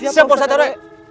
siap pak ustad terwe